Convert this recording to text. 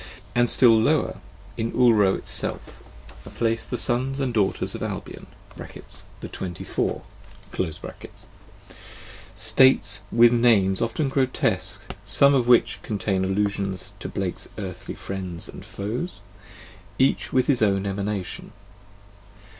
and still lower, in Ulro itself, are placed the Sons and Daughters of Albion (the Twenty four), states with names often grotesque, some of which contain allusions to Blake's earthly friends and foes, each with his own Emanation.